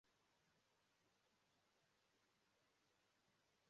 n'ihi na ya ababeghị n'ogige ndị uwe ojii mbụ.